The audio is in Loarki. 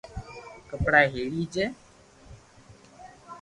ڪپڙا ھيڙي جي